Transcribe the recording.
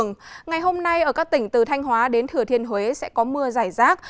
ngày hôm nay ở các tỉnh từ thanh hóa đến thừa thiên huế sẽ có mưa giải rác